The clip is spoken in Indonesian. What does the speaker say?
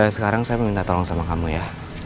sekarang saya minta tolong sama kamu ya